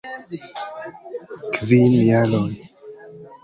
Kvin jaroj!